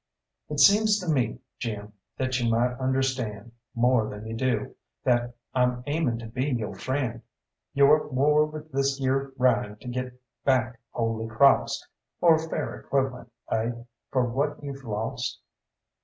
"It seems to me, Jim, that you might understand, more than you do, that I'm aiming to be yo' friend. Yo're at war with this yere Ryan to get back Holy Crawss, or a fair equivalent, eh, for what you've lost?"